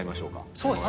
そうですね。